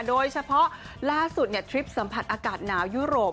โดยเฉพาะล่าสุดทริปสัมผัสอากาศหนาวยุโรป